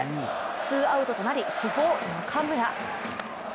ツーアウトとなり主砲・中村。